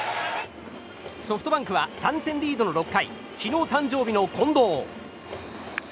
ソフトバンクは３点リードの６回昨日誕生日の近藤。